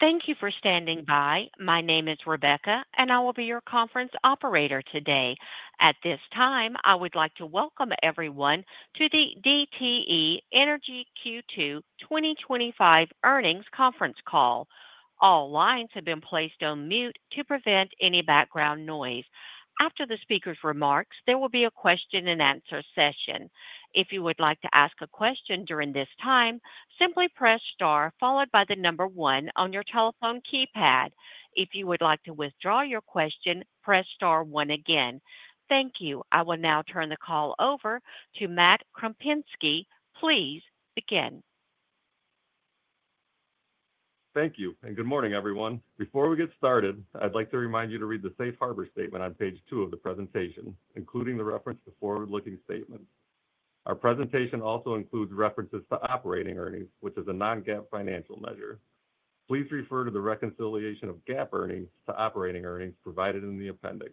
Thank you for standing by. My name is Rebecca, and I will be your conference operator today. At this time, I would like to welcome everyone to the DTE Energy Q2 2025 Earnings Conference Call. All lines have been placed on mute to prevent any background noise. After the speaker's remarks, there will be a question-and-answer session. If you would like to ask a question during this time, simply press star followed by the number one on your telephone keypad. If you would like to withdraw your question, press star one again. Thank you. I will now turn the call over to Matt Krupinski. Please begin. Thank you, and good morning, everyone. Before we get started, I'd like to remind you to read the safe harbor statement on page two of the presentation, including the reference to forward-looking statements. Our presentation also includes references to operating earnings, which is a non-GAAP financial measure. Please refer to the reconciliation of GAAP earnings to operating earnings provided in the appendix.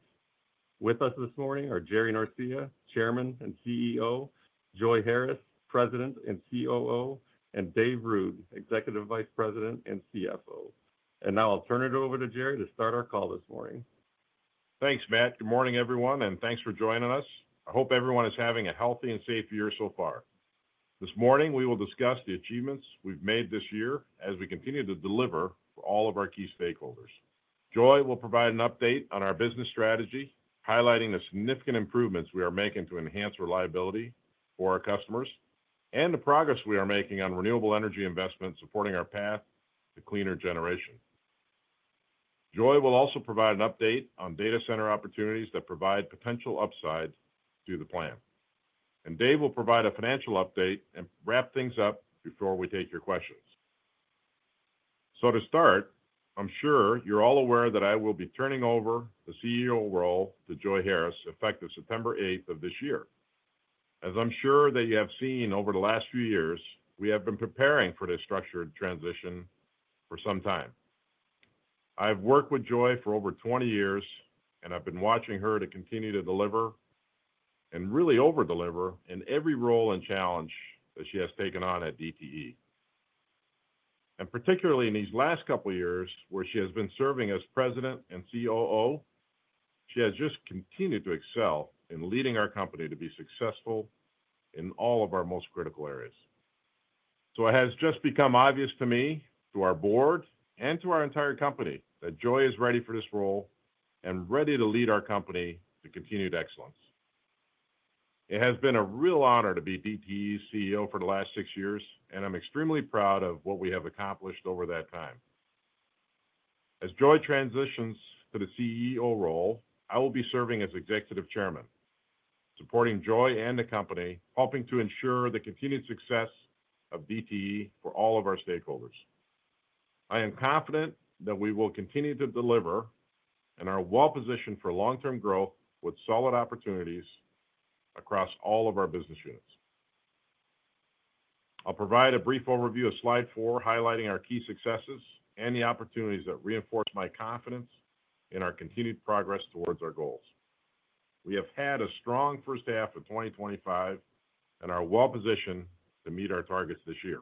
With us this morning are Jerry Norcia, Chairman and CEO; Joi Harris, President and COO; and Dave Ruud, Executive Vice President and CFO. Now I'll turn it over to Jerry to start our call this morning. Thanks, Matt. Good morning, everyone, and thanks for joining us. I hope everyone is having a healthy and safe year so far. This morning, we will discuss the achievements we've made this year as we continue to deliver for all of our key stakeholders. Joi will provide an update on our business strategy, highlighting the significant improvements we are making to enhance reliability for our customers and the progress we are making on renewable energy investments supporting our path to cleaner generation. Joi will also provide an update on data center opportunities that provide potential upside to the plan. Dave will provide a financial update and wrap things up before we take your questions. To start, I'm sure you're all aware that I will be turning over the CEO role to Joi Harris effective September 8th of this year. As I'm sure that you have seen over the last few years, we have been preparing for this structured transition for some time. I've worked with Joi for over 20 years, and I've been watching her continue to deliver. And really overdeliver in every role and challenge that she has taken on at DTE. Particularly in these last couple of years where she has been serving as President and COO, she has just continued to excel in leading our company to be successful in all of our most critical areas. It has just become obvious to me, to our board, and to our entire company that Joi is ready for this role and ready to lead our company to continued excellence. It has been a real honor to be DTE's CEO for the last six years, and I'm extremely proud of what we have accomplished over that time. As Joi transitions to the CEO role, I will be serving as Executive Chairman, supporting Joi and the company, helping to ensure the continued success of DTE for all of our stakeholders. I am confident that we will continue to deliver and are well-positioned for long-term growth with solid opportunities across all of our business units. I'll provide a brief overview of slide four, highlighting our key successes and the opportunities that reinforce my confidence in our continued progress towards our goals. We have had a strong first half of 2025 and are well-positioned to meet our targets this year.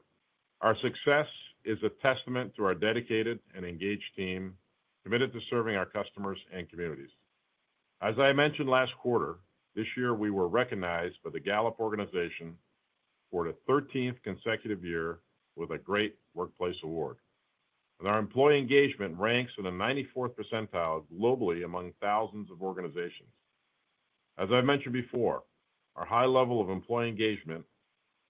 Our success is a testament to our dedicated and engaged team committed to serving our customers and communities. As I mentioned last quarter, this year we were recognized by the Gallup organization for the 13th consecutive year with a Great Workplace Award. Our employee engagement ranks in the 94th percentile globally among thousands of organizations. As I mentioned before, our high level of employee engagement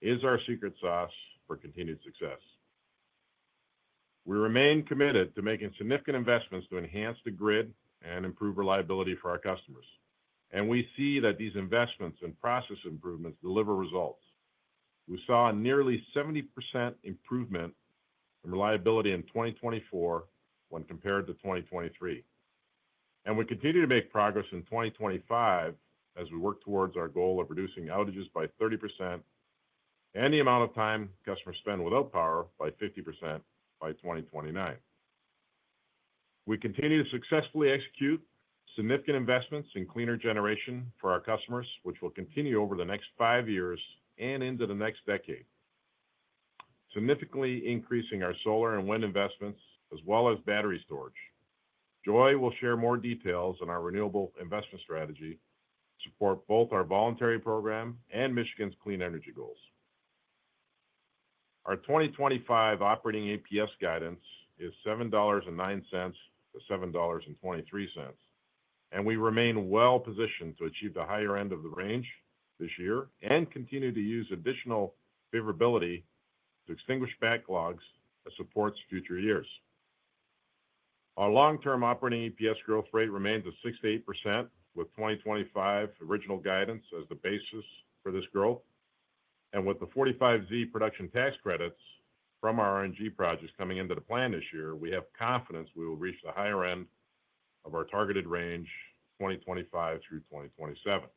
is our secret sauce for continued success. We remain committed to making significant investments to enhance the grid and improve reliability for our customers. We see that these investments and process improvements deliver results. We saw nearly 70% improvement in reliability in 2024 when compared to 2023. We continue to make progress in 2025 as we work towards our goal of reducing outages by 30% and the amount of time customers spend without power by 50% by 2029. We continue to successfully execute significant investments in cleaner generation for our customers, which will continue over the next five years and into the next decade, significantly increasing our solar and wind investments, as well as battery storage. Joi will share more details on our renewable investment strategy to support both our voluntary program and Michigan's clean energy goals. Our 2025 operating EPS guidance is $7.09,$7.23. We remain well-positioned to achieve the higher end of the range this year and continue to use additional favorability to extinguish backlogs that support future years. Our long-term operating EPS growth rate remains at 6%-8% with 2025 original guidance as the basis for this growth. With the 45Z production tax credits from our RNG projects coming into the plan this year, we have confidence we will reach the higher end of our targeted range 2025 through 2027.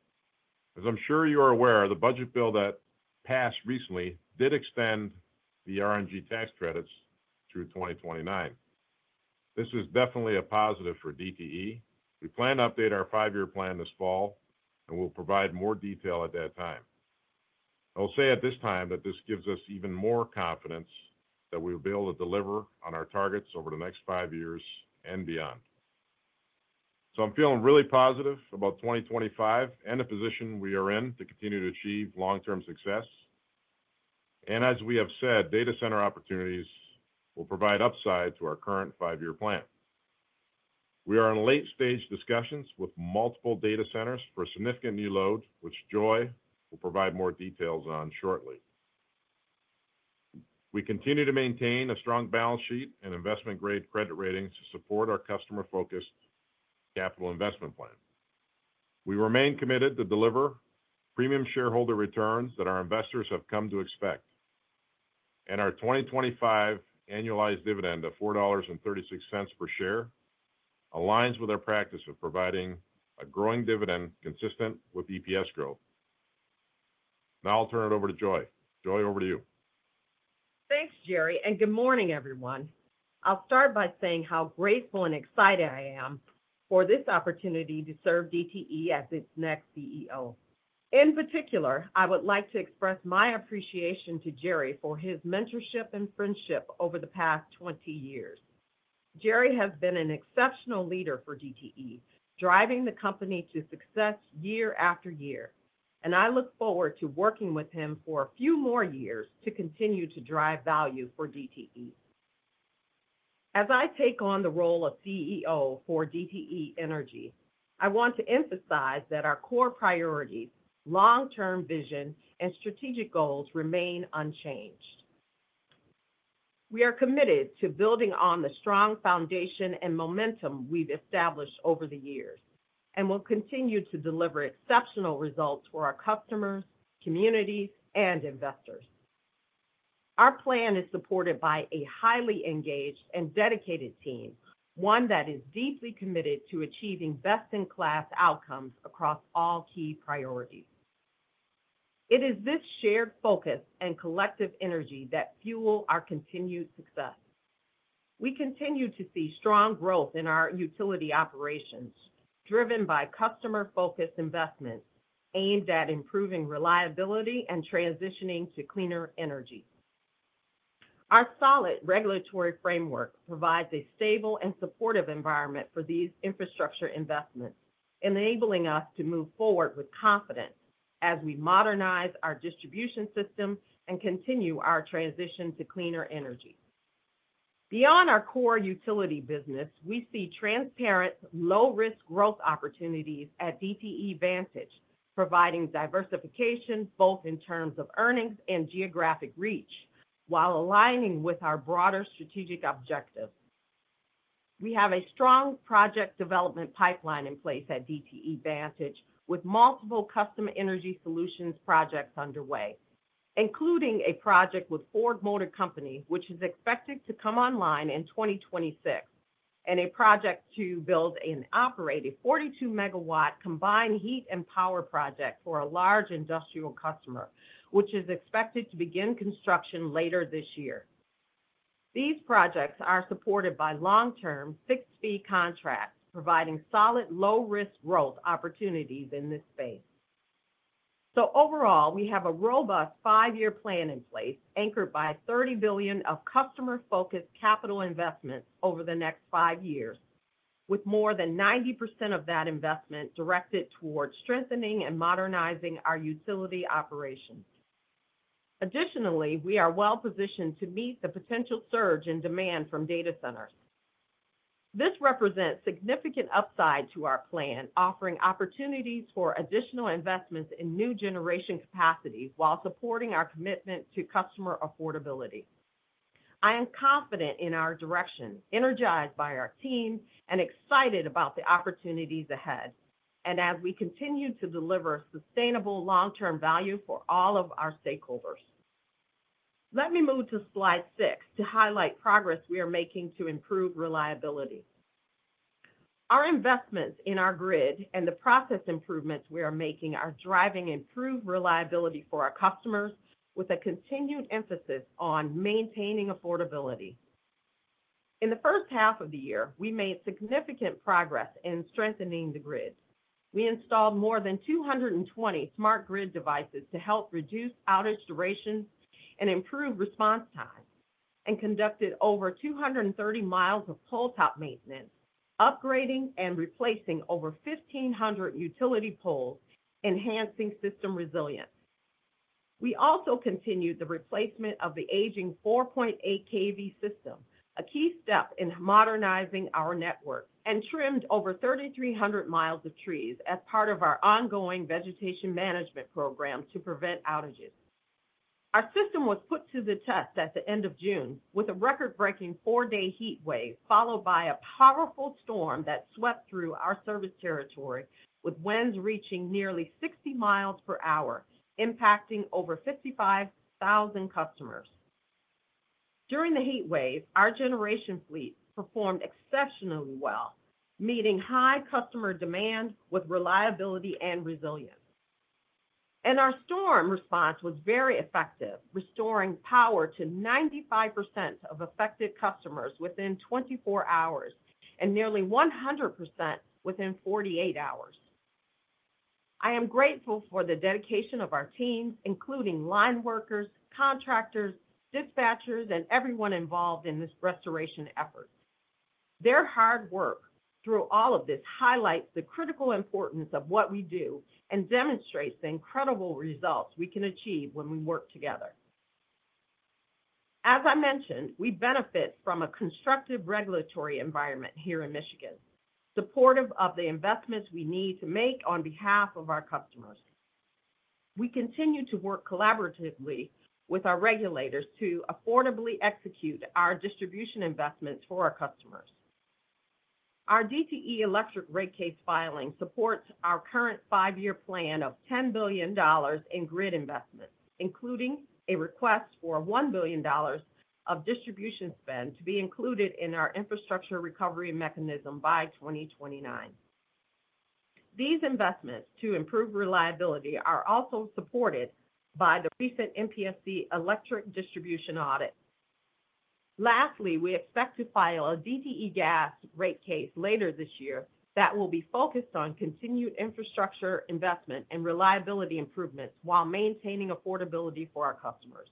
As you are aware, the budget bill that passed recently did extend the RNG tax credits through 2029. This is definitely a positive for DTE. We plan to update our five-year plan this fall, and we will provide more detail at that time. I will say at this time that this gives us even more confidence that we will be able to deliver on our targets over the next five years and beyond. I am feeling really positive about 2025 and the position we are in to continue to achieve long-term success. As we have said, data center opportunities will provide upside to our current five-year plan. We are in late-stage discussions with multiple data centers for significant new load, which Joi will provide more details on shortly. We continue to maintain a strong balance sheet and investment-grade credit ratings to support our customer-focused capital investment plan. We remain committed to deliver premium shareholder returns that our investors have come to expect. Our 2025 annualized dividend of $4.36 per share aligns with our practice of providing a growing dividend consistent with EPS growth. Now I'll turn it over to Joi. Joi, over to you. Thanks, Jerry. Good morning, everyone. I'll start by saying how grateful and excited I am for this opportunity to serve DTE as its next CEO. In particular, I would like to express my appreciation to Jerry for his mentorship and friendship over the past 20 years. Jerry has been an exceptional leader for DTE, driving the company to success year after year. I look forward to working with him for a few more years to continue to drive value for DTE. As I take on the role of CEO for DTE Energy, I want to emphasize that our core priorities, long-term vision, and strategic goals remain unchanged. We are committed to building on the strong foundation and momentum we've established over the years and will continue to deliver exceptional results for our customers, communities, and investors. Our plan is supported by a highly engaged and dedicated team, one that is deeply committed to achieving best-in-class outcomes across all key priorities. It is this shared focus and collective energy that fuel our continued success. We continue to see strong growth in our utility operations, driven by customer-focused investments aimed at improving reliability and transitioning to cleaner energy. Our solid regulatory framework provides a stable and supportive environment for these infrastructure investments, enabling us to move forward with confidence as we modernize our distribution system and continue our transition to cleaner energy. Beyond our core utility business, we see transparent, low-risk growth opportunities at DTE Vantage, providing diversification both in terms of earnings and geographic reach while aligning with our broader strategic objectives. We have a strong project development pipeline in place at DTE Vantage, with multiple custom energy solutions projects underway, including a project with Ford Motor Company, which is expected to come online in 2026, and a project to build and operate a 42 MW combined heat and power project for a large industrial customer, which is expected to begin construction later this year. These projects are supported by long-term fixed-fee contracts, providing solid low-risk growth opportunities in this space. Overall, we have a robust five-year plan in place, anchored by $30 billion of customer-focused capital investments over the next five years, with more than 90% of that investment directed towards strengthening and modernizing our utility operations. Additionally, we are well-positioned to meet the potential surge in demand from data centers. This represents significant upside to our plan, offering opportunities for additional investments in new generation capacities while supporting our commitment to customer affordability. I am confident in our direction, energized by our team, and excited about the opportunities ahead, as we continue to deliver sustainable long-term value for all of our stakeholders. Let me move to slide six to highlight progress we are making to improve reliability. Our investments in our grid and the process improvements we are making are driving improved reliability for our customers with a continued emphasis on maintaining affordability. In the first half of the year, we made significant progress in strengthening the grid. We installed more than 220 smart grid devices to help reduce outage durations and improve response time, and conducted over 230 mi of pole top maintenance, upgrading and replacing over 1,500 utility poles, enhancing system resilience. We also continued the replacement of the aging 4.8 kV system, a key step in modernizing our network, and trimmed over 3,300 mi of trees as part of our ongoing vegetation management program to prevent outages. Our system was put to the test at the end of June, with a record-breaking four-day heat wave followed by a powerful storm that swept through our service territory, with winds reaching nearly 60 mi per hour, impacting over 55,000 customers. During the heat wave, our generation fleet performed exceptionally well, meeting high customer demand with reliability and resilience. Our storm response was very effective, restoring power to 95% of affected customers within 24 hours and nearly 100% within 48 hours. I am grateful for the dedication of our teams, including line workers, contractors, dispatchers, and everyone involved in this restoration effort. Their hard work through all of this highlights the critical importance of what we do and demonstrates the incredible results we can achieve when we work together. As I mentioned, we benefit from a constructive regulatory environment here in Michigan, supportive of the investments we need to make on behalf of our customers. We continue to work collaboratively with our regulators to affordably execute our distribution investments for our customers. Our DTE Electric rate case filing supports our current five-year plan of $10 billion in grid investments, including a request for $1 billion of distribution spend to be included in our Infrastructure Recovery Mechanism by 2029. These investments to improve reliability are also supported by the recent MPSC electric distribution audit. Lastly, we expect to file a DTE Gas rate case later this year that will be focused on continued infrastructure investment and reliability improvements while maintaining affordability for our customers.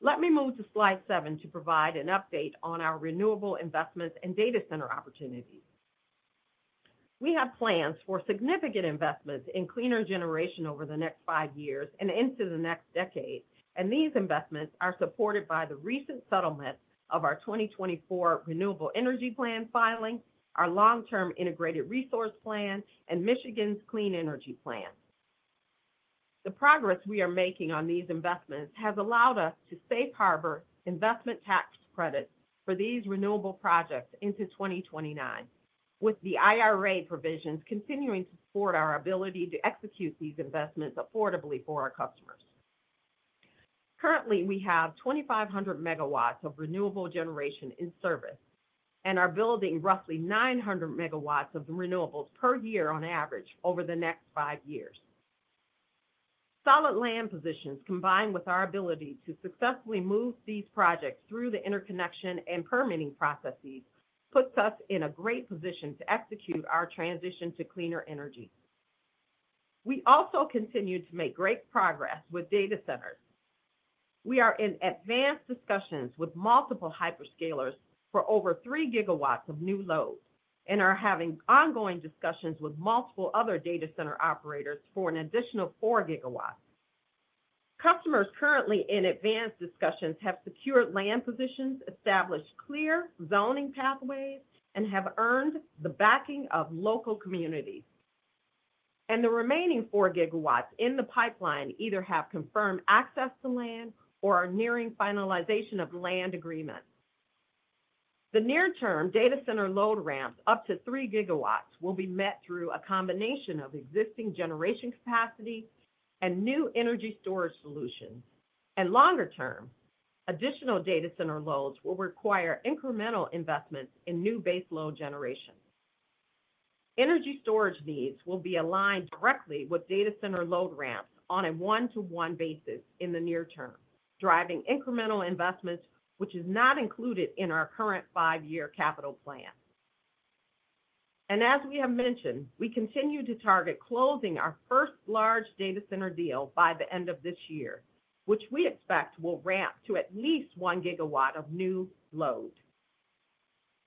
Let me move to slide seven to provide an update on our renewable investments and data center opportunities. We have plans for significant investments in cleaner generation over the next five years and into the next decade. These investments are supported by the recent settlement of our 2024 Renewable Energy Plan filing, our long-term Integrated Resource Plan, and Michigan's Clean Energy Plan. The progress we are making on these investments has allowed us to safeguard investment tax credits for these renewable projects into 2029, with the IRA provisions continuing to support our ability to execute these investments affordably for our customers. Currently, we have 2,500 MW of renewable generation in service and are building roughly 900 MW of renewables per year on average over the next five years. Solid land positions, combined with our ability to successfully move these projects through the interconnection and permitting processes, put us in a great position to execute our transition to cleaner energy. We also continue to make great progress with data centers. We are in advanced discussions with multiple hyperscalers for over 3 GW of new load and are having ongoing discussions with multiple other data center operators for an additional 4 GW. Customers currently in advanced discussions have secured land positions, established clear zoning pathways, and have earned the backing of local communities. The remaining 4 GW in the pipeline either have confirmed access to land or are nearing finalization of land agreements. The near-term data center load ramps up to 3 GW will be met through a combination of existing generation capacity and new energy storage solutions. Longer-term, additional data center loads will require incremental investments in new base load generation. Energy storage needs will be aligned directly with data center load ramps on a one-to-one basis in the near term, driving incremental investments, which is not included in our current five-year capital plan. As we have mentioned, we continue to target closing our first large data center deal by the end of this year, which we expect will ramp to at least 1 GW of new load.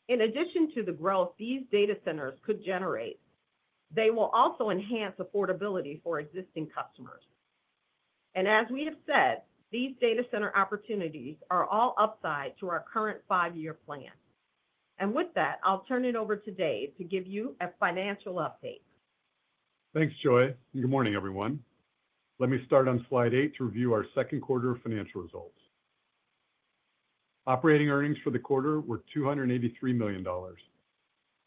In addition to the growth these data centers could generate, they will also enhance affordability for existing customers. As we have said, these data center opportunities are all upside to our current five-year plan. With that, I'll turn it over to Dave to give you a financial update. Thanks, Joi. And good morning, everyone. Let me start on slide eight to review our second quarter financial results. Operating earnings for the quarter were $283 million.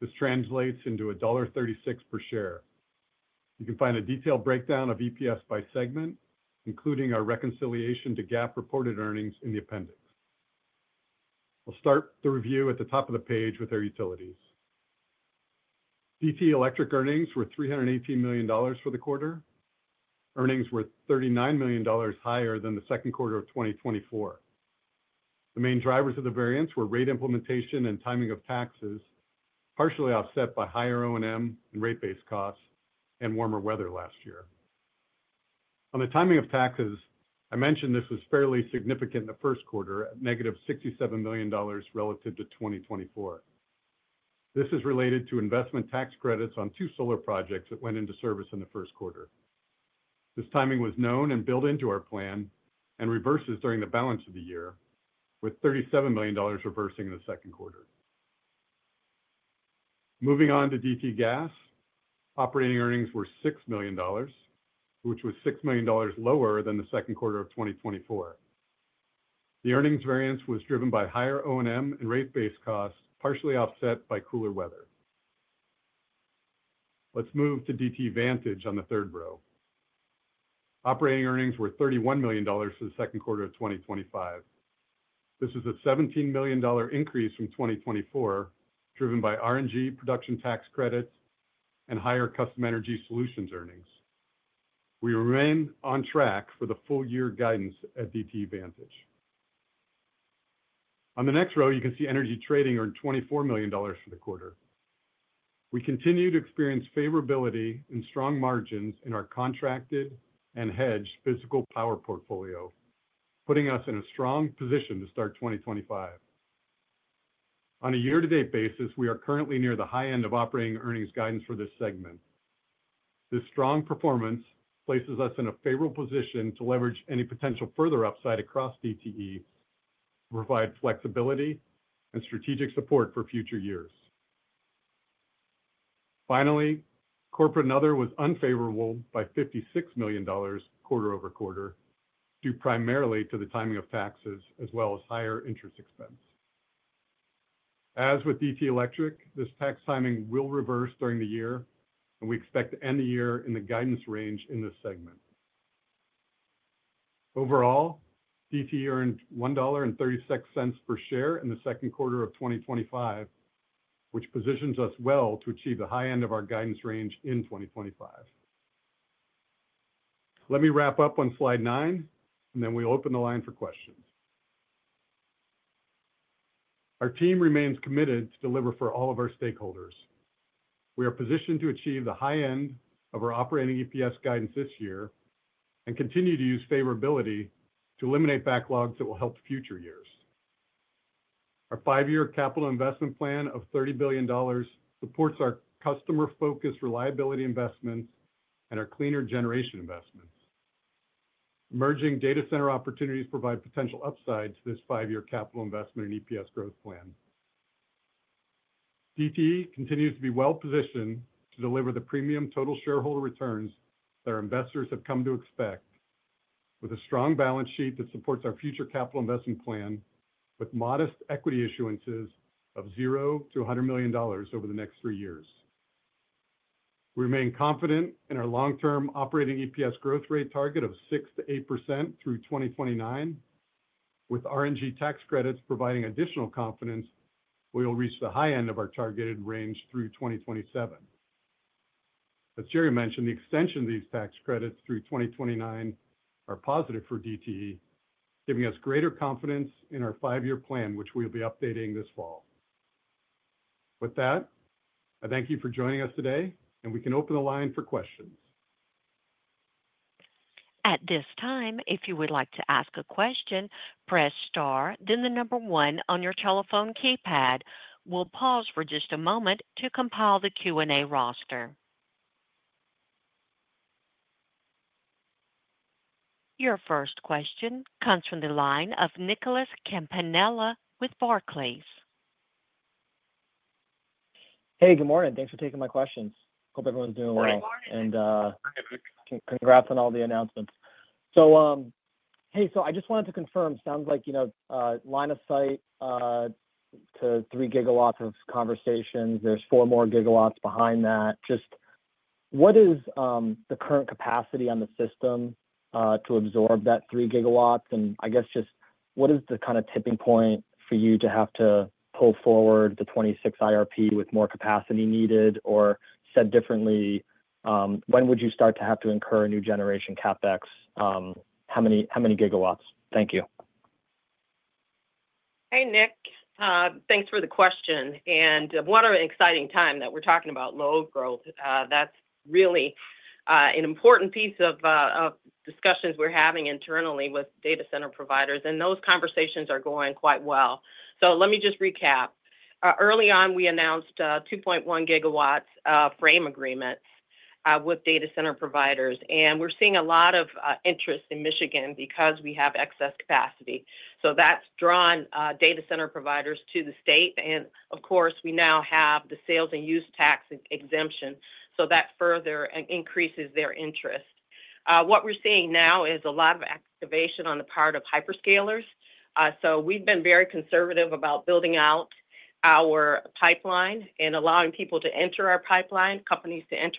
This translates into $1.36 per share. You can find a detailed breakdown of EPS by segment, including our reconciliation to GAAP reported earnings in the appendix. I'll start the review at the top of the page with our utilities. DTE Electric earnings were $318 million for the quarter. Earnings were $39 million higher than the second quarter of 2024. The main drivers of the variance were rate implementation and timing of taxes, partially offset by higher O&M and rate-based costs and warmer weather last year. On the timing of taxes, I mentioned this was fairly significant in the first quarter, at negative $67 million relative to 2024. This is related to investment tax credits on two solar projects that went into service in the first quarter. This timing was known and built into our plan and reverses during the balance of the year, with $37 million reversing in the second quarter. Moving on to DTE Gas, operating earnings were $6 million, which was $6 million lower than the second quarter of 2024. The earnings variance was driven by higher O&M and rate-based costs, partially offset by cooler weather. Let's move to DTE Vantage on the third row. Operating earnings were $31 million for the second quarter of 2025. This was a $17 million increase from 2024, driven by RNG production tax credits and higher custom energy solutions earnings. We remain on track for the full-year guidance at DTE Vantage. On the next row, you can see energy trading earned $24 million for the quarter. We continue to experience favorability and strong margins in our contracted and hedged physical power portfolio, putting us in a strong position to start 2025. On a year-to-date basis, we are currently near the high end of operating earnings guidance for this segment. This strong performance places us in a favorable position to leverage any potential further upside across DTE. To provide flexibility and strategic support for future years. Finally, corporate and other was unfavorable by $56 million quarter over quarter due primarily to the timing of taxes as well as higher interest expense. As with DTE Electric, this tax timing will reverse during the year, and we expect to end the year in the guidance range in this segment. Overall, DTE earned $1.36 per share in the second quarter of 2025. Which positions us well to achieve the high end of our guidance range in 2025. Let me wrap up on slide nine, and then we'll open the line for questions. Our team remains committed to deliver for all of our stakeholders. We are positioned to achieve the high end of our operating EPS guidance this year and continue to use favorability to eliminate backlogs that will help future years. Our five-year capital investment plan of $30 billion supports our customer-focused reliability investments and our cleaner generation investments. Emerging data center opportunities provide potential upside to this five-year capital investment and EPS growth plan. DTE continues to be well-positioned to deliver the premium total shareholder returns that our investors have come to expect, with a strong balance sheet that supports our future capital investment plan, with modest equity issuances of $0-$100 million over the next three years. We remain confident in our long-term operating EPS growth rate target of 6%-8% through 2029. With RNG tax credits providing additional confidence, we will reach the high end of our targeted range through 2027. As Jerry mentioned, the extension of these tax credits through 2029 are positive for DTE, giving us greater confidence in our five-year plan, which we will be updating this fall. With that, I thank you for joining us today, and we can open the line for questions. At this time, if you would like to ask a question, press star, then the number one on your telephone keypad. We'll pause for just a moment to compile the Q&A roster. Your first question comes from the line of Nicholas Campanella with Barclays. Hey, good morning. Thanks for taking my questions. Hope everyone's doing well. Good morning. Congrats on all the announcements. Hey, I just wanted to confirm, sounds like line of sight to 3 GW of conversations. There are 4 more gigawatts behind that. What is the current capacity on the system to absorb that 3 G? I guess, what is the kind of tipping point for you to have to pull forward the 2026 IRP with more capacity needed? Or said differently, when would you start to have to incur new generation CapEx? How many gigawatts? Thank you. Hey, Nick. Thanks for the question. What an exciting time that we're talking about load growth. That is really an important piece of discussions we're having internally with data center providers. Those conversations are going quite well. Let me just recap. Early on, we announced a 2.1 GW frame agreement with data center providers. We're seeing a lot of interest in Michigan because we have excess capacity. That has drawn data center providers to the state. Of course, we now have the Sales and Use Tax Exemption. That further increases their interest. What we're seeing now is a lot of activation on the part of hyperscalers. We've been very conservative about building out our pipeline and allowing companies to enter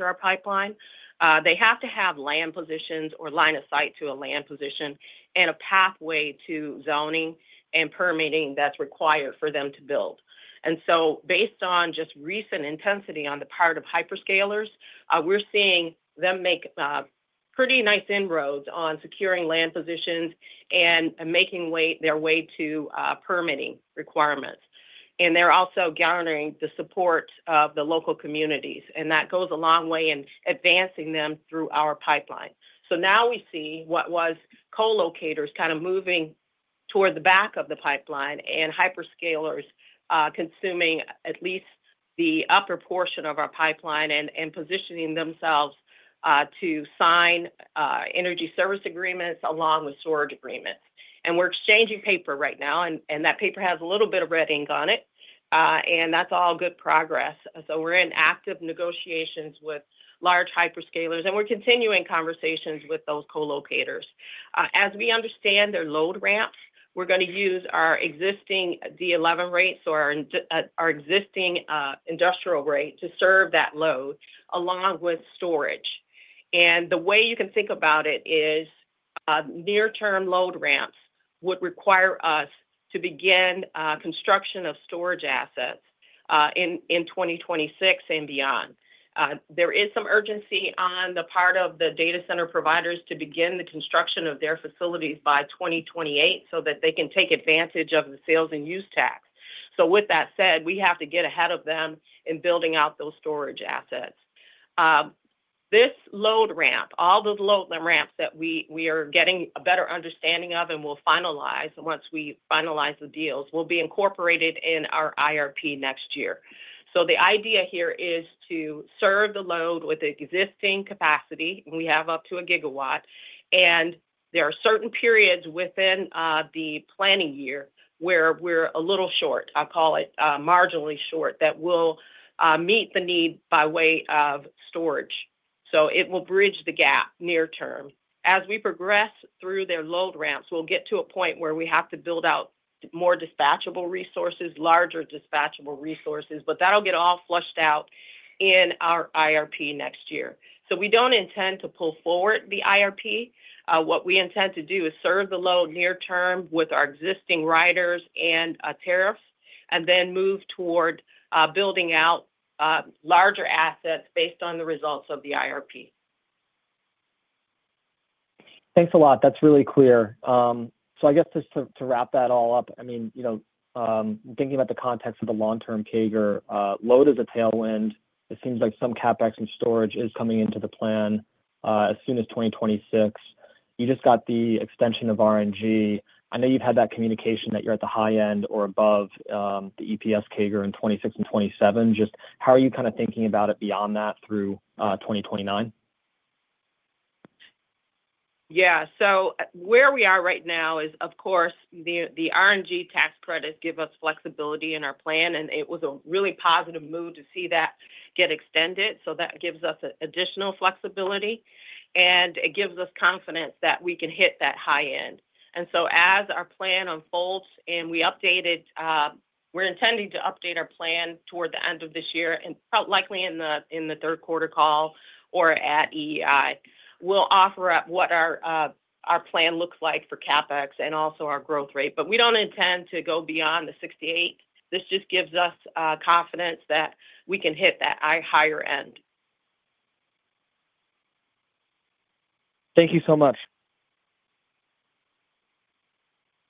our pipeline. They have to have land positions or line of sight to a land position and a pathway to zoning and permitting that's required for them to build. Based on just recent intensity on the part of hyperscalers, we're seeing them make pretty nice inroads on securing land positions and making their way to permitting requirements. They're also garnering the support of the local communities. That goes a long way in advancing them through our pipeline. Now we see what was co-locators kind of moving toward the back of the pipeline and hyperscalers consuming at least the upper portion of our pipeline and positioning themselves to sign Energy Service Agreements along with storage agreements. We're exchanging paper right now. That paper has a little bit of red ink on it. That is all good progress. We're in active negotiations with large hyperscalers. We're continuing conversations with those co-locators. As we understand their load ramps, we're going to use our existing D11 rates or our existing industrial rate to serve that load along with storage. The way you can think about it is near-term load ramps would require us to begin construction of storage assets in 2026 and beyond. There is some urgency on the part of the data center providers to begin the construction of their facilities by 2028 so that they can take advantage of the sales and use tax. With that said, we have to get ahead of them in building out those storage assets. This load ramp, all the load ramps that we are getting a better understanding of and will finalize once we finalize the deals, will be incorporated in our IRP next year. The idea here is to serve the load with existing capacity. We have up to a gigawatt. There are certain periods within the planning year where we're a little short, I'll call it marginally short, that will meet the need by way of storage. It will bridge the gap near term. As we progress through their load ramps, we'll get to a point where we have to build out more dispatchable resources, larger dispatchable resources, but that'll get all flushed out in our IRP next year. We do not intend to pull forward the IRP. What we intend to do is serve the load near term with our existing riders and tariffs and then move toward building out larger assets based on the results of the IRP. Thanks a lot. That's really clear. I guess just to wrap that all up, I mean, thinking about the context of the long-term CAGR, load is a tailwind. It seems like some CapEx and storage is coming into the plan as soon as 2026. You just got the extension of RNG. I know you've had that communication that you're at the high end or above the EPS CAGR in 2026 and 2027. Just how are you kind of thinking about it beyond that through 2029? Yeah. So where we are right now is, of course, the RNG tax credits give us flexibility in our plan. It was a really positive move to see that get extended. That gives us additional flexibility. It gives us confidence that we can hit that high end. As our plan unfolds and we update it, we're intending to update our plan toward the end of this year and likely in the third quarter call or at EEI, we'll offer up what our plan looks like for CapEx and also our growth rate. We do not intend to go beyond the 68. This just gives us confidence that we can hit that higher end. Thank you so much.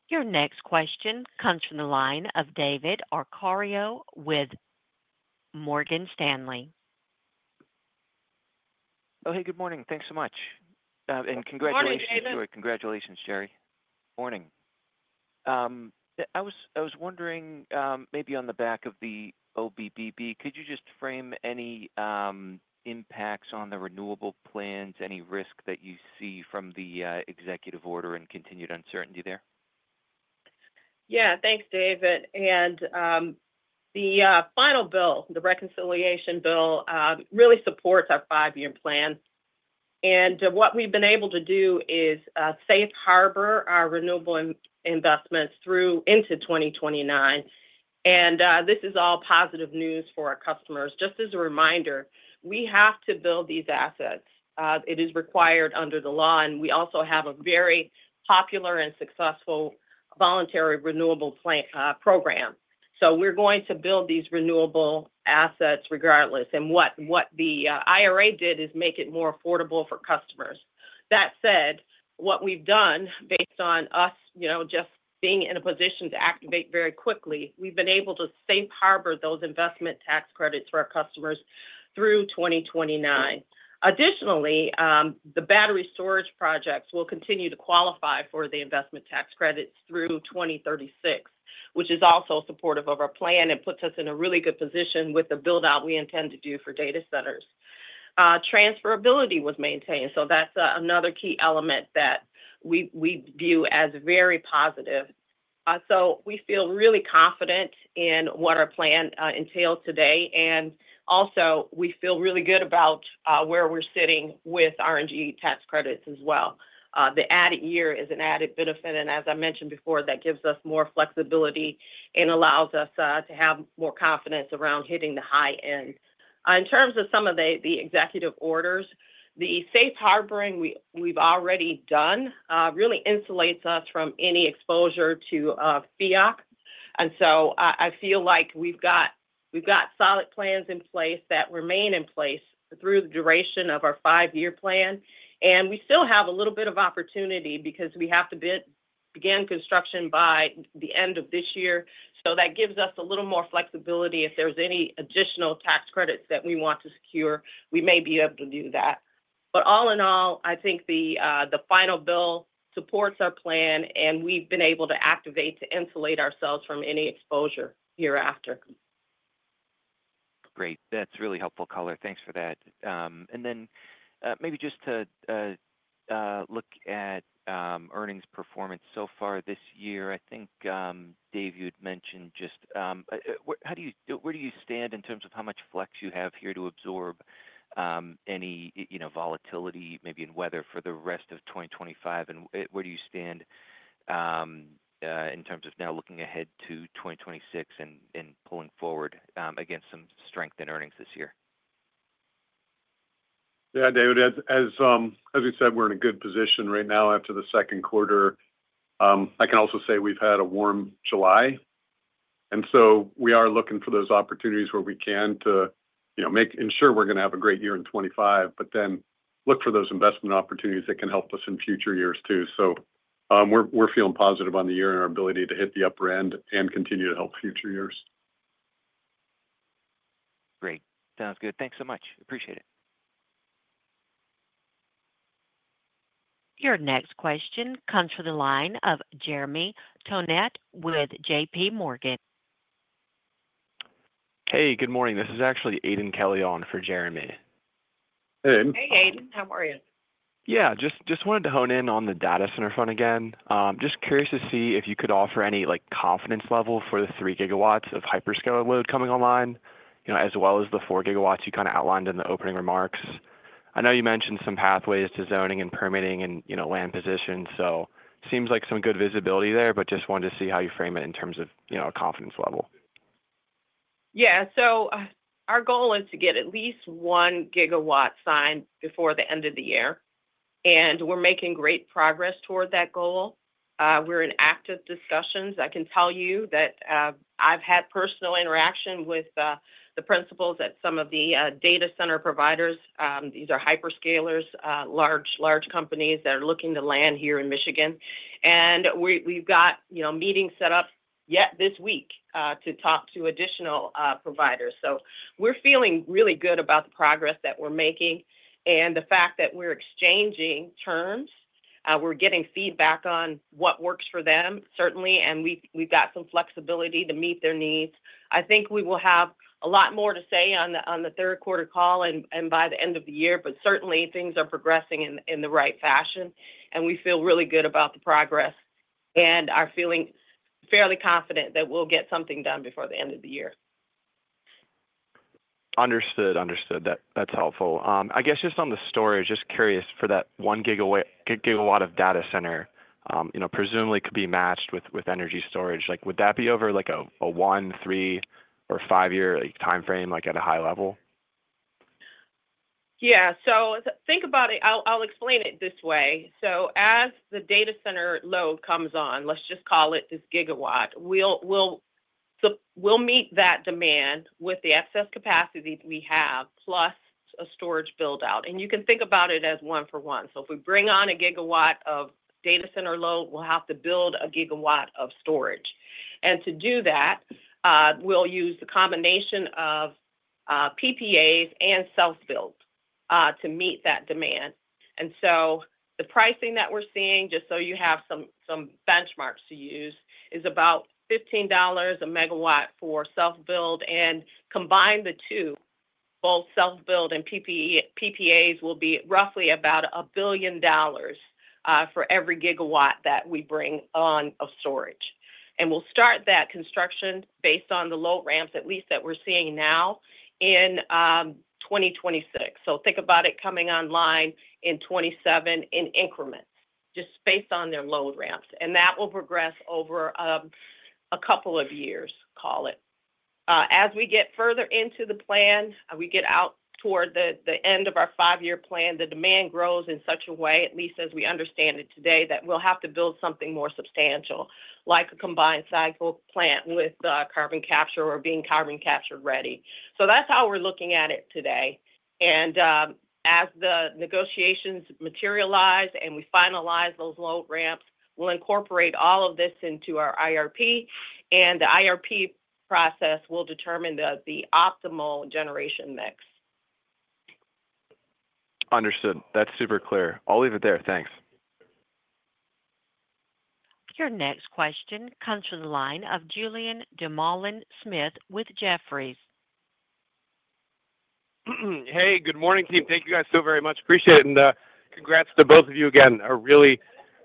Your next question comes from the line of David Arcaro with Morgan Stanley. Oh, hey, good morning. Thanks so much. And congratulations too. Morning, David. Congratulations, Jerry. Morning. I was wondering maybe on the back of the OBBB, could you just frame any impacts on the renewable plans, any risk that you see from the executive order and continued uncertainty there? Yeah. Thanks, David. The final bill, the reconciliation bill, really supports our five-year plan. What we've been able to do is safe harbor our renewable investments through into 2029. This is all positive news for our customers. Just as a reminder, we have to build these assets. It is required under the law. We also have a very popular and successful voluntary renewable program. We're going to build these renewable assets regardless. What the IRA did is make it more affordable for customers. That said, what we've done based on us just being in a position to activate very quickly, we've been able to safe harbor those investment tax credits for our customers through 2029. Additionally, the battery storage projects will continue to qualify for the investment tax credits through 2036, which is also supportive of our plan and puts us in a really good position with the build-out we intend to do for data centers. Transferability was maintained. That's another key element that we view as very positive. We feel really confident in what our plan entails today. Also, we feel really good about where we're sitting with RNG tax credits as well. The added year is an added benefit. As I mentioned before, that gives us more flexibility and allows us to have more confidence around hitting the high end. In terms of some of the executive orders, the safe harboring we've already done really insulates us from any exposure to [FERC]. I feel like we've got solid plans in place that remain in place through the duration of our five-year plan. We still have a little bit of opportunity because we have to begin construction by the end of this year. That gives us a little more flexibility. If there's any additional tax credits that we want to secure, we may be able to do that. All in all, I think the final bill supports our plan, and we've been able to activate to insulate ourselves from any exposure hereafter. Great. That's really helpful, Carla. Thanks for that. Maybe just to look at earnings performance so far this year, I think, Dave, you had mentioned just where do you stand in terms of how much flex you have here to absorb any volatility, maybe in weather, for the rest of 2025? Where do you stand in terms of now looking ahead to 2026 and pulling forward against some strength in earnings this year? Yeah, David, as we said, we're in a good position right now after the second quarter. I can also say we've had a warm July. We are looking for those opportunities where we can to make sure we're going to have a great year in 2025, but then look for those investment opportunities that can help us in future years too. We're feeling positive on the year and our ability to hit the upper end and continue to help future years. Great. Sounds good. Thanks so much. Appreciate it. Your next question comes from the line of Jeremy Tonet with JPMorgan. Hey, good morning. This is actually Aidan Kelly on for Jeremy. Hey. Hey, Aidan. How are you? Yeah. Just wanted to hone in on the data center front again. Just curious to see if you could offer any confidence level for the 3 GW of hyperscaler load coming online, as well as the 4 GW you kind of outlined in the opening remarks. I know you mentioned some pathways to zoning and permitting and land position. It seems like some good visibility there, but just wanted to see how you frame it in terms of confidence level. Yeah. Our goal is to get at least 1 GW signed before the end of the year. We're making great progress toward that goal. We're in active discussions. I can tell you that I've had personal interaction with the principals at some of the data center providers. These are hyperscalers, large companies that are looking to land here in Michigan. We've got meetings set up yet this week to talk to additional providers. We're feeling really good about the progress that we're making. The fact that we're exchanging terms, we're getting feedback on what works for them, certainly. We've got some flexibility to meet their needs. I think we will have a lot more to say on the third quarter call and by the end of the year, but certainly things are progressing in the right fashion. We feel really good about the progress. I'm feeling fairly confident that we'll get something done before the end of the year. Understood. Understood. That's helpful. I guess just on the storage, just curious for that 1 GW of data center. Presumably could be matched with energy storage. Would that be over a one, three, or five-year timeframe at a high level? Yeah. So think about it. I'll explain it this way. As the data center load comes on, let's just call it this gigawatt, we'll meet that demand with the excess capacity we have plus a storage build-out. You can think about it as one for one. If we bring on a gigawatt of data center load, we'll have to build a gigawatt of storage. To do that, we'll use the combination of PPAs and self-build to meet that demand. The pricing that we're seeing, just so you have some benchmarks to use, is about $15 a MW for self-build. Combined, the two, both self-build and PPAs, will be roughly about $1 billion for every gigawatt that we bring on of storage. We'll start that construction based on the load ramps, at least that we're seeing now, in 2026. Think about it coming online in 2027 in increments, just based on their load ramps. That will progress over a couple of years, call it. As we get further into the plan, we get out toward the end of our five-year plan, the demand grows in such a way, at least as we understand it today, that we'll have to build something more substantial, like a combined cycle plant with carbon capture or being carbon capture ready. That's how we're looking at it today. As the negotiations materialize and we finalize those load ramps, we'll incorporate all of this into our IRP. The IRP process will determine the optimal generation mix. Understood. That's super clear. I'll leave it there. Thanks. Your next question comes from the line of Julien Dumoulin-Smith with Jefferies. Hey, good morning, team. Thank you guys so very much. Appreciate it. Congrats to both of you again.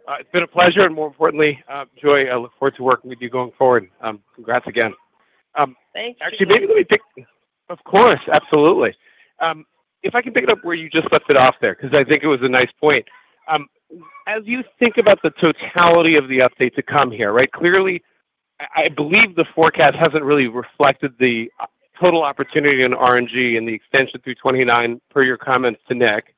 It's been a pleasure and, more importantly, joy. I look forward to working with you going forward. Congrats again. Thank you. Actually, maybe let me pick. Of course. Absolutely. If I can pick it up where you just left it off there, because I think it was a nice point. As you think about the totality of the update to come here, right, clearly, I believe the forecast hasn't really reflected the total opportunity in RNG and the extension through 2029 per your comments to Nick.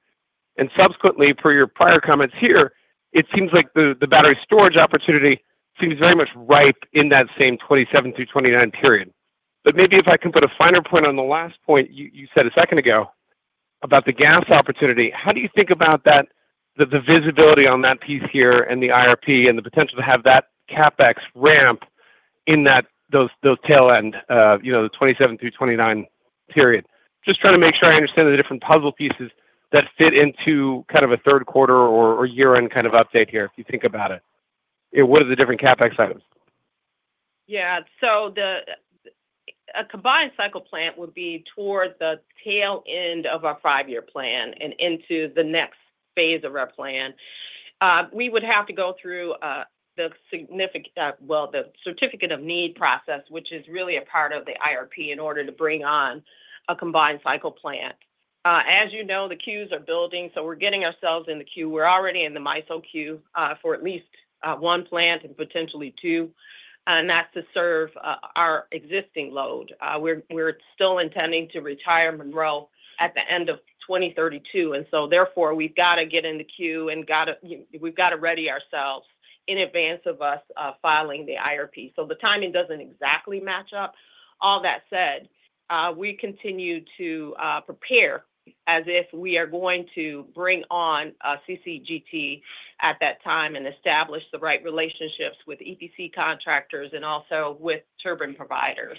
And subsequently, per your prior comments here, it seems like the battery storage opportunity seems very much ripe in that same 2027 through 2029 period. Maybe if I can put a finer point on the last point you said a second ago about the gas opportunity, how do you think about the visibility on that piece here and the IRP and the potential to have that CapEx ramp in those tail end, the 2027 through 2029 period? Just trying to make sure I understand the different puzzle pieces that fit into kind of a third quarter or year-end kind of update here, if you think about it, what are the different CapEx items? Yeah. So a combined cycle plant would be toward the tail end of our five-year plan and into the next phase of our plan. We would have to go through the significant, well, the certificate of need process, which is really a part of the IRP in order to bring on a combined cycle plant. As you know, the queues are building. So we're getting ourselves in the queue. We're already in the MISO queue for at least one plant and potentially two. And that's to serve our existing load. We're still intending to retire Monroe at the end of 2032. And so, therefore, we've got to get in the queue and we've got to ready ourselves in advance of us filing the IRP. The timing doesn't exactly match up. All that said, we continue to prepare as if we are going to bring on CCGT at that time and establish the right relationships with EPC contractors and also with turbine providers.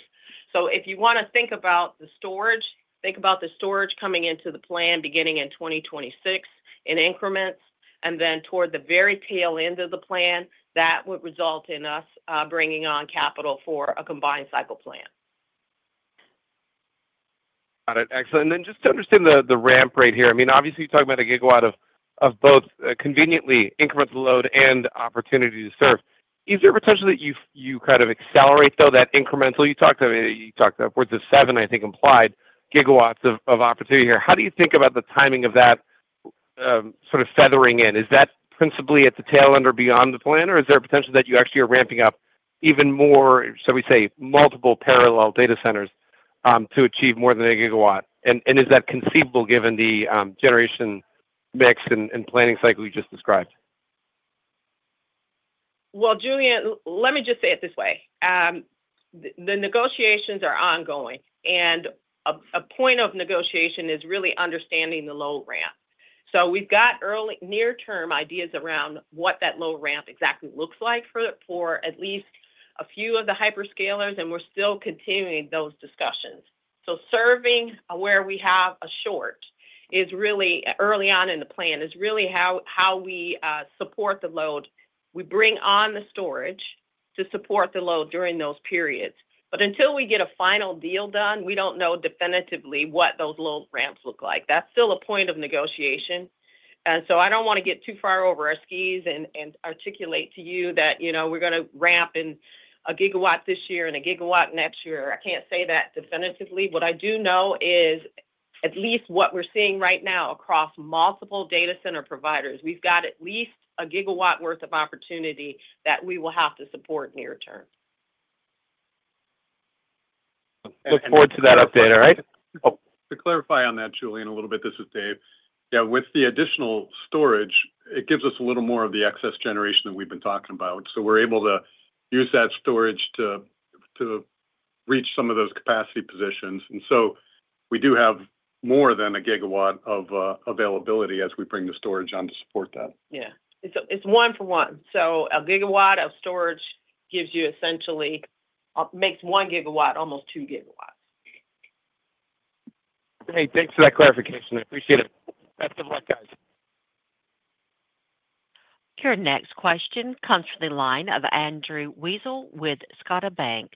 If you want to think about the storage, think about the storage coming into the plan beginning in 2026 in increments, and then toward the very tail end of the plan, that would result in us bringing on capital for a combined cycle plan. Got it. Excellent. And then just to understand the ramp right here, I mean, obviously, you're talking about a gigawatt of both conveniently incremental load and opportunity to serve. Is there a potential that you kind of accelerate, though, that incremental? You talked upwards of seven, I think, implied gigawatts of opportunity here. How do you think about the timing of that. Sort of feathering in? Is that principally at the tail end or beyond the plan? Or is there a potential that you actually are ramping up even more, shall we say, multiple parallel data centers to achieve more than a gigawatt? And is that conceivable given the generation mix and planning cycle you just described? Julien, let me just say it this way. The negotiations are ongoing. A point of negotiation is really understanding the load ramp. We have near-term ideas around what that load ramp exactly looks like for at least a few of the hyperscalers. We are still continuing those discussions. Serving where we have a short is really early on in the plan is really how we support the load. We bring on the storage to support the load during those periods. Until we get a final deal done, we do not know definitively what those load ramps look like. That is still a point of negotiation. I do not want to get too far over our skis and articulate to you that we are going to ramp in a gigawatt this year and a gigawatt next year. I cannot say that definitively. What I do know is at least what we are seeing right now across multiple data center providers, we have at least a gigawatt worth of opportunity that we will have to support near term. Look forward to that update, all right? To clarify on that, Julien, a little bit, this is Dave. Yeah, with the additional storage, it gives us a little more of the excess generation that we've been talking about. We are able to use that storage to reach some of those capacity positions. We do have more than a gigawatt of availability as we bring the storage on to support that. Yeah. It is one for one. So a gigawatt of storage gives you essentially, makes 1 GW almost 2 GW. Hey, thanks for that clarification. I appreciate it. Best of luck, guys. Your next question comes from the line of Andrew Weisel with Scotiabank.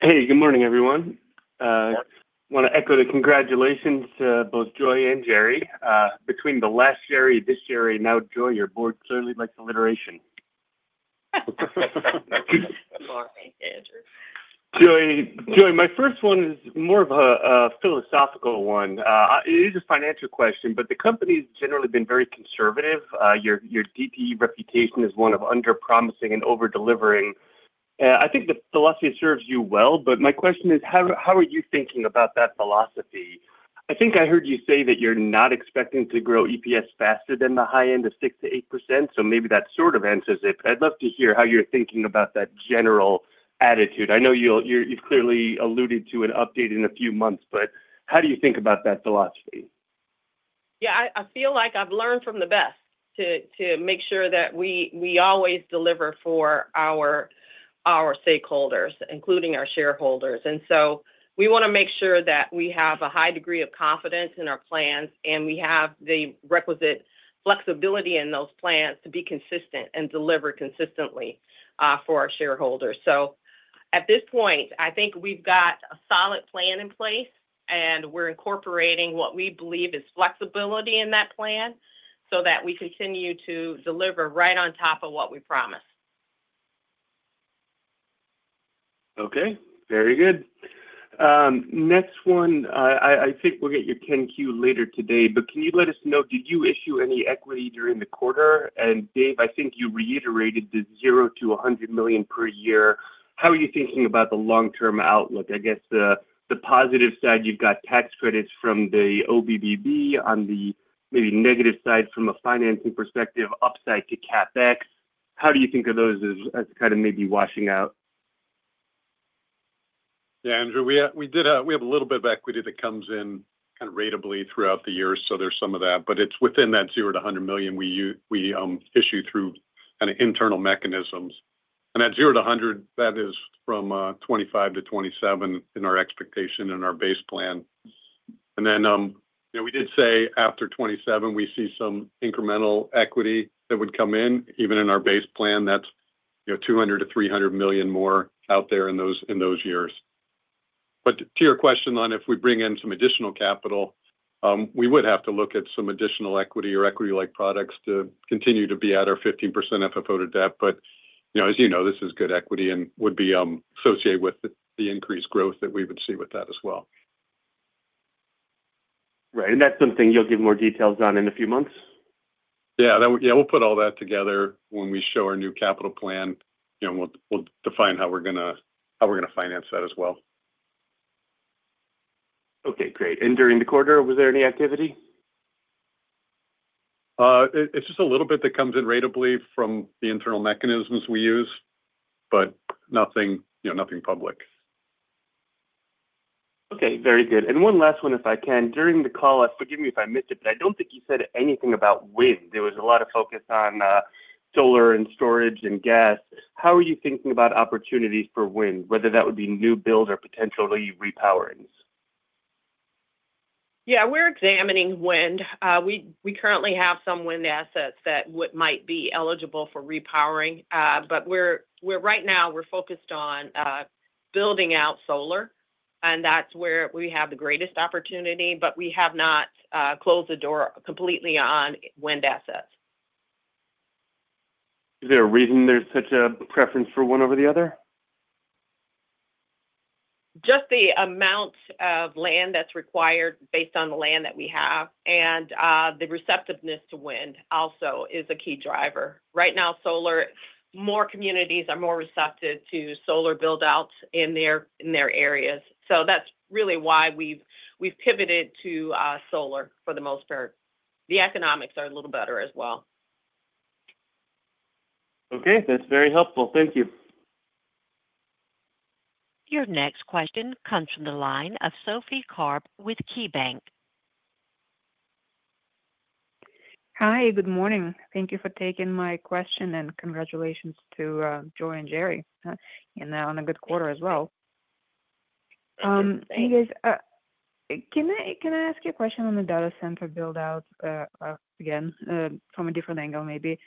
Hey, good morning, everyone. I want to echo the congratulations to both Joi and Jerry. Between the last Jerry, this Jerry, now Joi, your board clearly likes alliteration. Sorry, Andrew. Joi, my first one is more of a philosophical one. It is a financial question, but the company has generally been very conservative. Your DTE reputation is one of underpromising and over-delivering. I think the philosophy serves you well, but my question is, how are you thinking about that philosophy? I think I heard you say that you're not expecting to grow EPS faster than--- the high end of 6%-8%. So maybe that sort of answers it. I'd love to hear how you're thinking about that general attitude. I know you've clearly alluded to an update in a few months, but how do you think about that philosophy? Yeah, I feel like I've learned from the best to make sure that we always deliver for our stakeholders, including our shareholders. We want to make sure that we have a high degree of confidence in our plans, and we have the requisite flexibility in those plans to be consistent and deliver consistently for our shareholders. At this point, I think we've got a solid plan in place, and we're incorporating what we believe is flexibility in that plan so that we continue to deliver right on top of what we promise. Okay. Very good. Next one, I think we'll get your 10-Q later today, but can you let us know, did you issue any equity during the quarter? Dave, I think you reiter`ated the $0-$100 million per year. How are you thinking about the long-term outlook? I guess the positive side, you've got tax credits from the OBBB, on the maybe negative side from a financing perspective, upside to CapEx. How do you think of those as kind of maybe washing out? Yeah, Andrew, we have a little bit of equity that comes in kind of ratably throughout the year. So there's some of that. But it's within that $0-$100 million we issue through kind of internal mechanisms. And that $0-$100 million, that is from 2025 to 2027 in our expectation and our base plan. And then we did say after 2027, we see some incremental equity that would come in. Even in our base plan, that's $200-$300 million more out there in those years. But to your question on if we bring in some additional capital, we would have to look at some additional equity or equity-like products to continue to be at our 15% FFO to debt. But as you know, this is good equity and would be associated with the increased growth that we would see with that as well. Right. And that's something you'll give more details on in a few months? Yeah. Yeah. We'll put all that together when we show our new capital plan. We'll define how we're going to finance that as well. Okay. Great. During the quarter, was there any activity? It's just a little bit that comes in ratably from the internal mechanisms we use, but nothing public. Okay. Very good. One last one, if I can. During the call, forgive me if I missed it, but I do not think you said anything about wind. There was a lot of focus on solar and storage and gas. How are you thinking about opportunities for wind, whether that would be new build or potentially repowerings? Yeah. We're examining wind. We currently have some wind assets that might be eligible for repowering. Right now, we're focused on building out solar. That's where we have the greatest opportunity, but we have not closed the door completely on wind assets. Is there a reason there's such a preference for one over the other? Just the amount of land that's required based on the land that we have and the receptiveness to wind also is a key driver. Right now, more communities are more receptive to solar buildouts in their areas. That's really why we've pivoted to solar for the most part. The economics are a little better as well. Okay. That's very helpful. Thank you. Your next question comes from the line of Sophie Karp with KeyBanc. Hi. Good morning. Thank you for taking my question and congratulations to Joi and Jerry on a good quarter as well. Can I ask you a question on the data center buildout again from a different angle, maybe?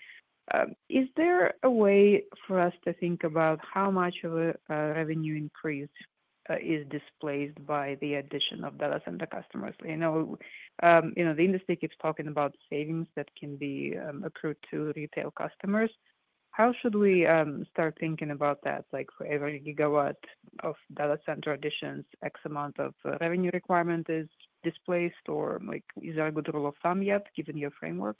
Is there a way for us to think about how much of a revenue increase is displaced by the addition of data center customers? I know the industry keeps talking about savings that can be accrued to retail customers. How should we start thinking about that? For every gigawatt of data center additions, x amount of revenue requirement is displaced, or is there a good rule of thumb yet, given your framework?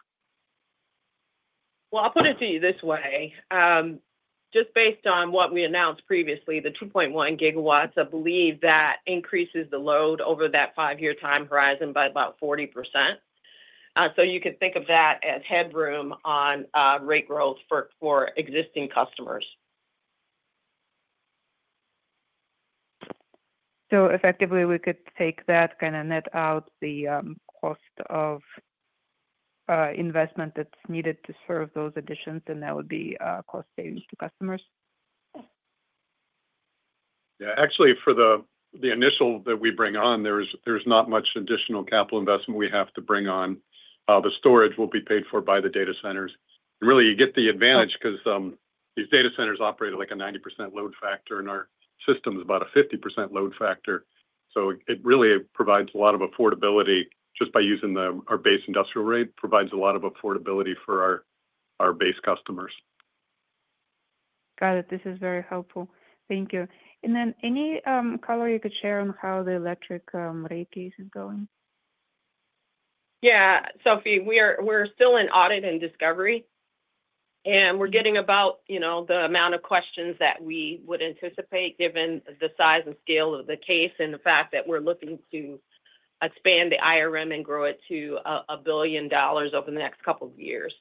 I'll put it to you this way. Just based on what we announced previously, the 2.1 GW, I believe that increases the load over that five-year time horizon by about 40%. You can think of that as headroom on rate growth for existing customers. Effectively, we could take that, kind of net out the cost of investment that's needed to serve those additions, and that would be cost savings to customers. Yeah. Actually, for the initial that we bring on, there's not much additional capital investment we have to bring on. The storage will be paid for by the data centers. You get the advantage because these data centers operate at like a 90% load factor, and our system is about a 50% load factor. It really provides a lot of affordability just by using our base industrial rate, provides a lot of affordability for our base customers. Got it. This is very helpful. Thank you. Any color you could share on how the electric rate case is going? Yeah. Sophie, we're still in audit and discovery. And we're getting about the amount of questions that we would anticipate given the size and scale of the case and the fact that we're looking to expand the IRM and grow it to a billion dollars over the next couple of years.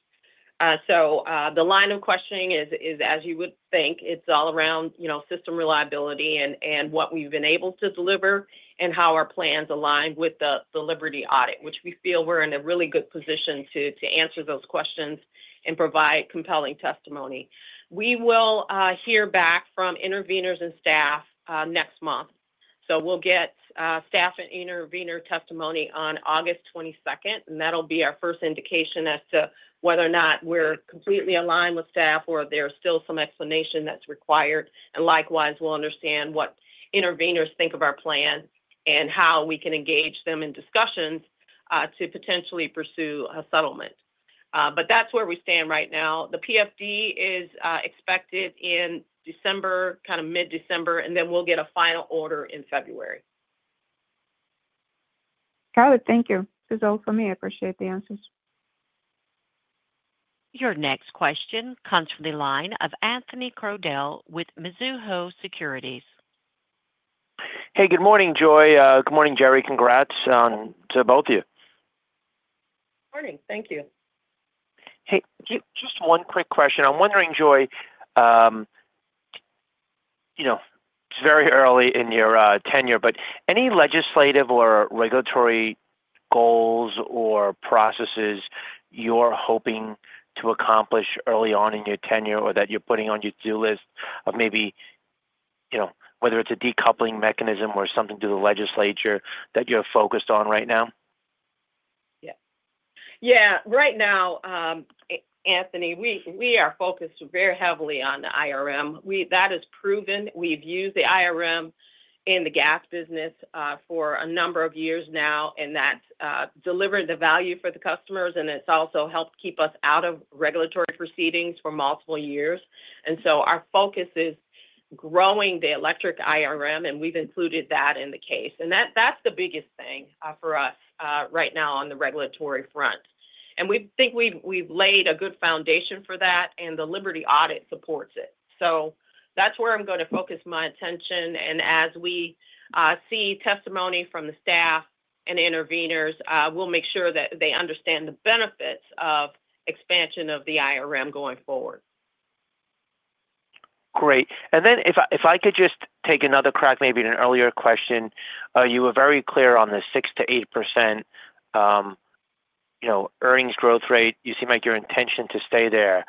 So the line of questioning is, as you would think, it's all around system reliability and what we've been able to deliver and how our plans align with the Liberty audit, which we feel we're in a really good position to answer those questions and provide compelling testimony. We will hear back from intervenors and staff next month. So we'll get staff and intervenor testimony on August 22nd, and that'll be our first indication as to whether or not we're completely aligned with staff or there's still some explanation that's required. And likewise, we'll understand what intervenors think of our plan and how we can engage them in discussions to potentially pursue a settlement. But that's where we stand right now. The PFD is expected in December, kind of mid-December, and then we'll get a final order in February. Got it. Thank you. This is all for me. I appreciate the answers. Your next question comes from the line of Anthony Crodell with Mizuho Securities. Hey, good morning, Joi. Good morning, Jerry. Congrats to both of you. Morning. Thank you. Hey. Just one quick question. I'm wondering, Joi. It's very early in your tenure, but any legislative or regulatory goals or processes you're hoping to accomplish early on in your tenure or that you're putting on your to-do list of maybe. Whether it's a decoupling mechanism or something to the legislature that you're focused on right now? Yeah. Yeah. Right now. Anthony, we are focused very heavily on the IRM. That is proven. We've used the IRM in the gas business for a number of years now, and that's delivered the value for the customers, and it's also helped keep us out of regulatory proceedings for multiple years. Our focus is growing the electric IRM, and we've included that in the case. That's the biggest thing for us right now on the regulatory front. We think we've laid a good foundation for that, and the Liberty audit supports it. That's where I'm going to focus my attention. As we see testimony from the staff and intervenors, we'll make sure that they understand the benefits of expansion of the IRM going forward. Great. If I could just take another crack, maybe in an earlier question, you were very clear on the 6%-8% earnings growth rate. You seem like your intention to stay there.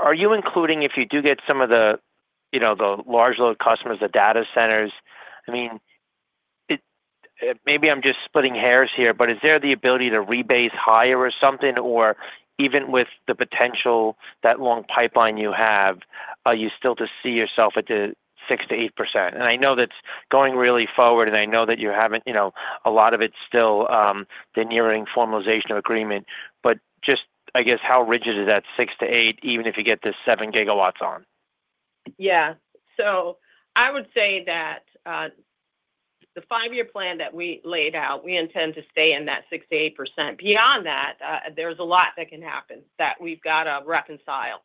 Are you including, if you do get some of the large load customers, the data centers? I mean, maybe I'm just splitting hairs here, but is there the ability to rebase higher or something? Or even with the potential, that long pipeline you have, are you still to see yourself at the 6%-8%? I know that's going really forward, and I know that you haven't, a lot of it's still the nearing formalization of agreement. Just, I guess, how rigid is that 6%-8%, even if you get the 7 GW on? Yeah. I would say that the five-year plan that we laid out, we intend to stay in that 6%-8% range. Beyond that, there's a lot that can happen that we've got to reconcile.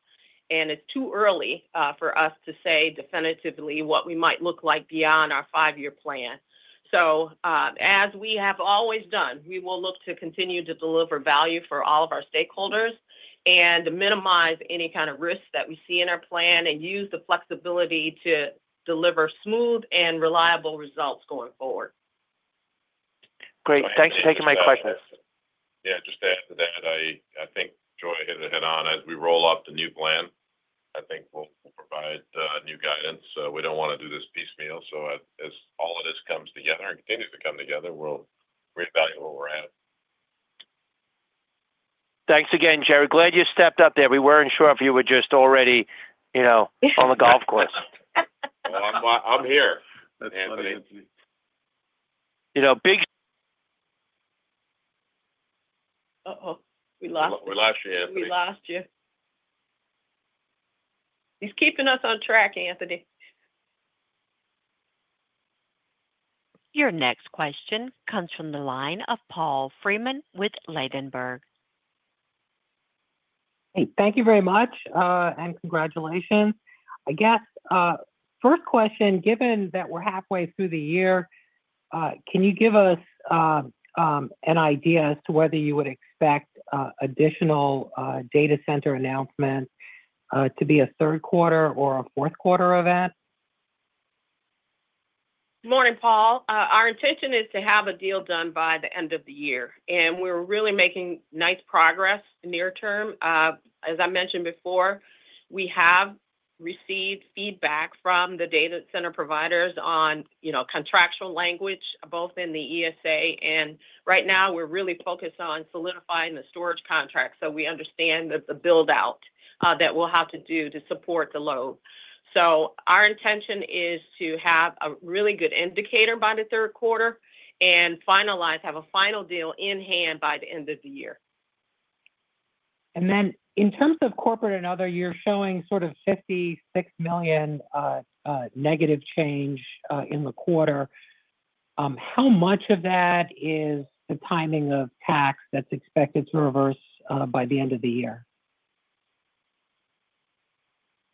It's too early for us to say definitively what we might look like beyond our five-year plan. As we have always done, we will look to continue to deliver value for all of our stakeholders and minimize any kind of risk that we see in our plan and use the flexibility to deliver smooth and reliable results going forward. Great. Thanks for taking my questions. Yeah. Just to add to that, I think Joi hit it head-on. As we roll up the new plan, I think we'll provide new guidance. We do not want to do this piecemeal. As all of this comes together and continues to come together, we'll reevaluate where we're at. Thanks again, Jerry. Glad you stepped up there. We were not sure if you were just already on the golf course. I'm here, Anthony. Big. Uh-oh. We lost you. We lost you, Anthony. We lost you. He's keeping us on track, Anthony. Your next question comes from the line of Paul Fremont with Ladenburg. Hey. Thank you very much and congratulations. I guess. First question, given that we're halfway through the year, can you give us an idea as to whether you would expect additional data center announcements to be a third quarter or a fourth quarter event? Morning, Paul. Our intention is to have a deal done by the end of the year. We're really making nice progress near term. As I mentioned before, we have received feedback from the data center providers on contractual language, both in the ESA. Right now, we're really focused on solidifying the storage contract. We understand the buildout that we'll have to do to support the load. Our intention is to have a really good indicator by the third quarter and have a final deal in hand by the end of the year. In terms of corporate and other, you're showing sort of $56 million negative change in the quarter. How much of that is the timing of tax that's expected to reverse by the end of the year?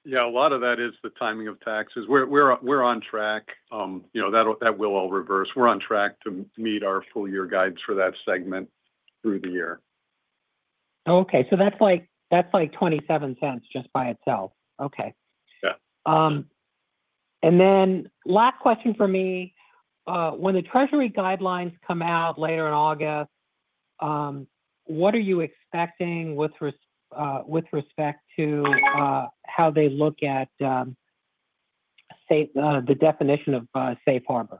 Yeah. A lot of that is the timing of taxes. We're on track. That will all reverse. We're on track to meet our full-year guides for that segment through the year. Okay. So that's like $0.27 just by itself. Okay. Yeah. Last question for me. When the Treasury guidelines come out later in August, what are you expecting with respect to how they look at the definition of safe harbor?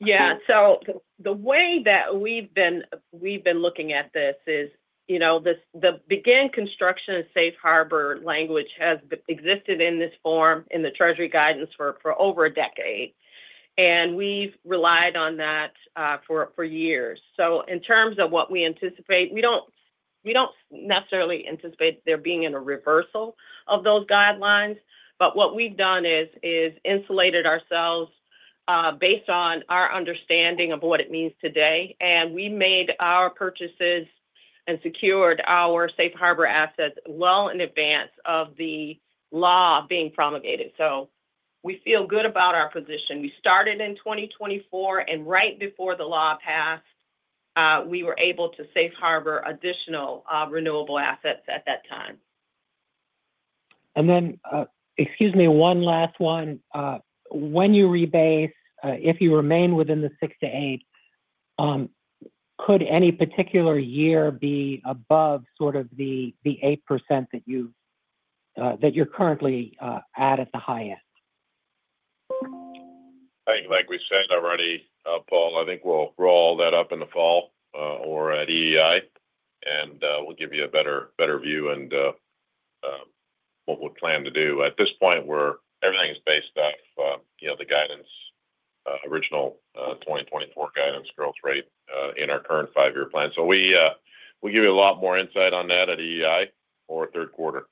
Yeah. So the way that we've been looking at this is. The begin construction of safe harbor language has existed in this form in the Treasury guidance for over a decade. And we've relied on that. For years. In terms of what we anticipate, we don't necessarily anticipate there being a reversal of those guidelines. What we've done is insulated ourselves based on our understanding of what it means today. We made our purchases and secured our safe harbor assets well in advance of the law being promulgated. We feel good about our position. We started in 2024, and right before the law passed, we were able to safe harbor additional renewable assets at that time. Excuse me, one last one. When you rebase, if you remain within the 6-8%. Could any particular year be above sort of the 8% that you're currently at at the high end? I think, like we said already, Paul, I think we'll roll all that up in the fall or at EEI, and we'll give you a better view. What we plan to do. At this point, everything is based off the guidance. Original 2024 guidance growth rate in our current five-year plan. So we'll give you a lot more insight on that at EEI or third quarter.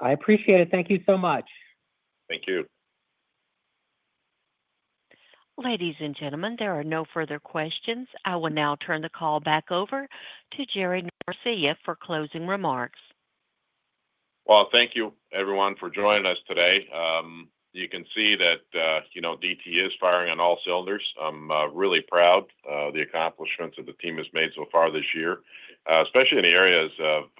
I appreciate it. Thank you so much. Thank you. Ladies and gentlemen, there are no further questions. I will now turn the call back over to Jerry Norcia for closing remarks. Thank you, everyone, for joining us today. You can see that DTE is firing on all cylinders. I'm really proud of the accomplishments that the team has made so far this year, especially in the areas of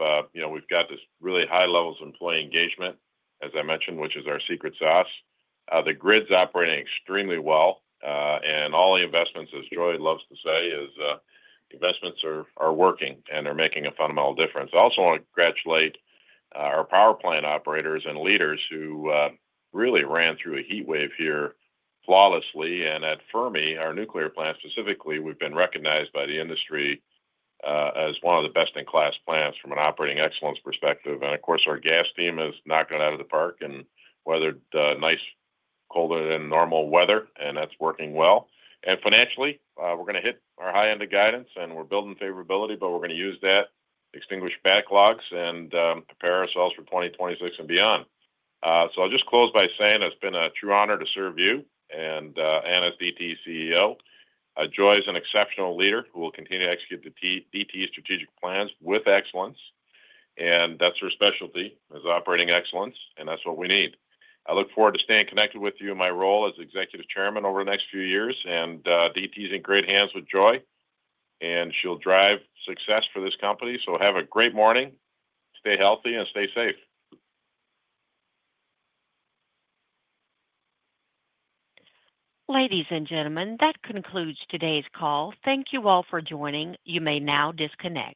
we've got this really high level of employee engagement, as I mentioned, which is our secret sauce. The grid's operating extremely well. All the investments, as Joi loves to say, are working, and they're making a fundamental difference. I also want to congratulate our power plant operators and leaders who really ran through a heat wave here flawlessly. At Fermi, our nuclear plant specifically, we've been recognized by the industry as one of the best-in-class plants from an operating excellence perspective. Of course, our gas team has knocked it out of the park and weathered nice, colder-than-normal weather, and that's working well. Financially, we're going to hit our high end of guidance, and we're building favorability, but we're going to use that, extinguish backlogs, and prepare ourselves for 2026 and beyond. I'll just close by saying it's been a true honor to serve you as DTE CEO. Joi is an exceptional leader who will continue to execute the DTE strategic plans with excellence. That's her specialty, operating excellence, and that's what we need. I look forward to staying connected with you in my role as Executive Chairman over the next few years. DTE is in great hands with Joi, and she'll drive success for this company. Have a great morning. Stay healthy and stay safe. Ladies and gentlemen, that concludes today's call. Thank you all for joining. You may now disconnect.